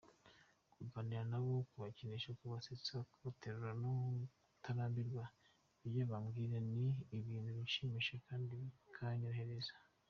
Kuganira nabo, kubakinisha, kubasetsa , kubaterura no kutarambirwa ibyo bambwira ni ibintu binshimisha kandi bikanyoroherera.